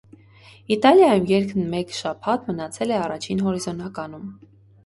Իտալիայում երգն մեկ շաբաթ մնացել է առաջին հորիզոնականում։